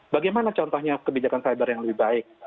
bagaimana contohnya kebijakan cyber yang lebih baik